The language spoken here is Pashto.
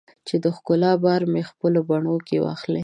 چې د ښکلا بار مې خپلو بڼو کې واخلې